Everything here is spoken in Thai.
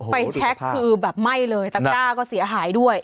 แชคคือแบบไหม้เลยตะก้าก็เสียหายด้วย